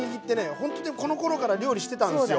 ほんとにこのころから料理してたんですよ。